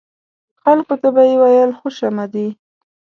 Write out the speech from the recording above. خلکو ته به یې ویل خوش آمدي.